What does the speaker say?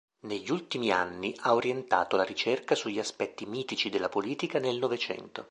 Negli ultimi anni ha orientato la ricerca sugli aspetti mitici della politica nel Novecento.